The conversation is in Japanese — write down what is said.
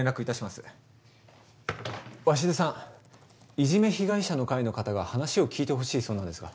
いじめ被害者の会の方が話を聞いてほしいそうなんですが。